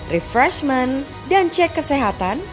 refreshment dan cek kesehatan